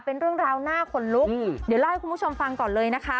เป็นเรื่องราวหน้าขนลุกเดี๋ยวเล่าให้คุณผู้ชมฟังก่อนเลยนะคะ